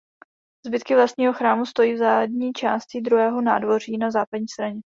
Zbytky vlastního chrámu stojí v zadní části druhého nádvoří na západní straně.